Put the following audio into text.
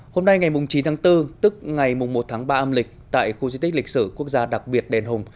hôm nay ngày chín tháng bốn tức ngày một tháng ba âm lịch tại khu di tích lịch sử quốc gia đặc biệt đền hùng